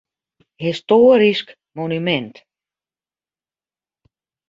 Histoarysk monumint.